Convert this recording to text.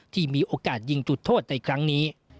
ที่มีโอกาสยิงจุดโทษในครั้งนี้